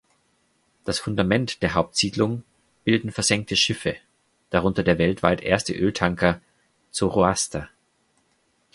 Das Fundament der Hauptsiedlung bilden versenkte Schiffe, darunter der weltweit erste Öltanker "Zoroaster".